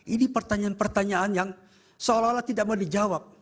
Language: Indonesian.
ini pertanyaan pertanyaan yang seolah olah tidak mau dijawab